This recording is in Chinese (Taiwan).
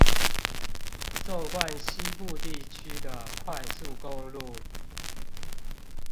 縱貫西部地區的快速公路